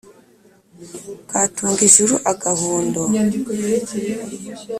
katunga ijuru-agahundo.